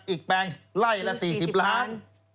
แปลงไล่ละ๔๐ล้าน